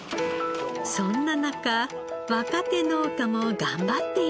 そんな中若手農家も頑張っています。